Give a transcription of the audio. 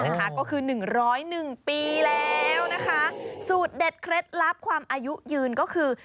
นะคะก็คือหนึ่งร้อยหนึ่งปีแล้วนะคะสูตรเด็ดเคล็ดลับความอายุยืนก็คือ